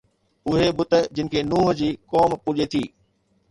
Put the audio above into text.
اهي بت جن کي نوح جي قوم پوڄي ٿي